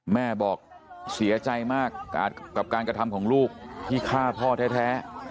แม่บอกเสียใจมากกับการกระทำของลูกที่ฆ่าพ่อแท้